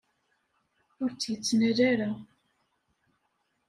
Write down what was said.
Ur tt-yettnal ara.